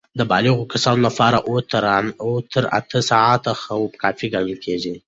د بالغو کسانو لپاره اووه تر اته ساعتونه خوب کافي ګڼل کېږي.